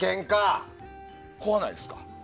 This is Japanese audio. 怖ないですか？